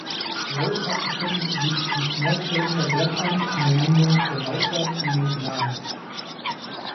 Lauterecken liegt im Nordpfälzer Bergland an der Mündung der Lauter in den Glan.